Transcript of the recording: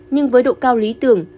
nhưng với độ cao lý tưởng